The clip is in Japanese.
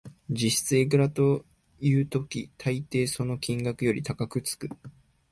実質いくらという時、たいていその金額より高くつく